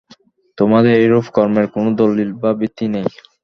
তোমাদের এরূপ কর্মের কোন দলীল বা ভিত্তি নেই।